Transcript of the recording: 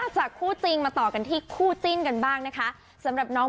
จากคู่จริงมาต่อกันที่คู่จิ้นกันบ้างนะคะสำหรับน้อง